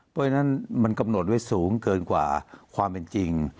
เพราะฉะนั้นมันกำหนดไว้สูงเกินกว่าความเป็นจริง